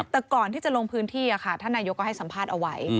แต่ก่อนที่จะลงพื้นที่ท่านนายกก็ให้สัมภาษณ์เอาไว้